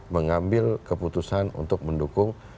mengambil keputusan untuk mendukung